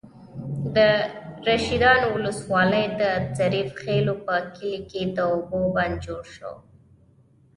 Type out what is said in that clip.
د رشيدانو ولسوالۍ، د ظریف خېلو په کلي کې د اوبو بند جوړ شو.